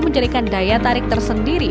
menjadikan daya tarik tersendiri